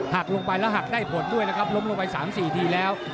หักลงไปแล้วหักได้ผลด้วยนะครับล้มลงไป๓๔ทีแล้ว